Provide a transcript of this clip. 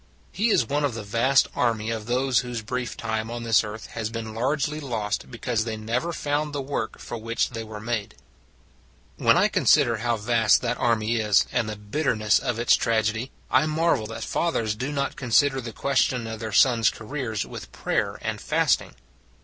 He is one of the vast army of those whose brief time on this earth has been largely lost because they never found the work for which they were made. 190 The Finest Investment 191 When I consider how vast that army is, and the bitterness of its tragedy, I marvel that fathers do not consider the question of their sons careers with prayer and fast ing.